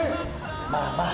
まあまあ。